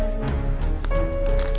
aku mau ke kamar